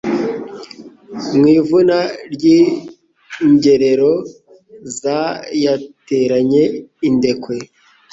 Mu ivuna ry' ingerero Zayateranye indekwe